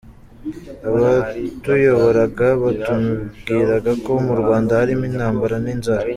Abatuyoboraga batubwiraga ko mu Rwanda harimo intambara n’inzara.